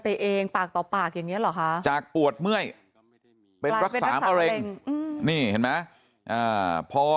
ปากอย่างนี้หรอคะจากปวดเมื่อยเป็นรักษาอเร็งนี่เห็นไหมพอ